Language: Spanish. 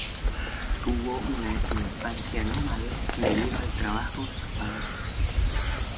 Tuvo una "infancia nómade", debido al trabajo de su padre.